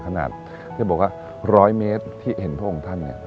ขนาดถ้าบอกว่า๑๐๐เมตรที่เห็นพวกของท่าน